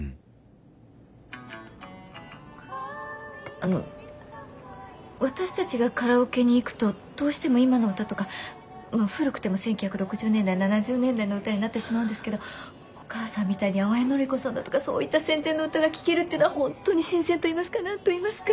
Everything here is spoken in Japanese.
あの私たちがカラオケに行くとどうしても今の歌とか古くても１９６０年代７０年代の歌になってしまうんですけどお母さんみたいに淡谷のり子さんだとかそういった戦前の歌が聴けるっていうのは本当に新鮮といいますか何といいますか。